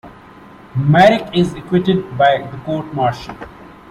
Maryk is acquitted by the court-martial.